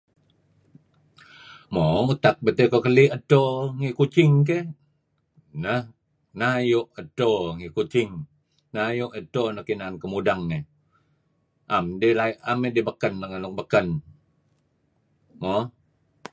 Mo, utak beto' ikoh keli' edto ngi Kuching keh, neh neh ayu' dto ngi Kuching, neh ayu' edto nuk inan kuh mudeng eh. Am idih beken let ngan nuk beken. Mo